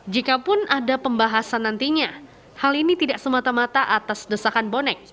jikapun ada pembahasan nantinya hal ini tidak semata mata atas desakan bonek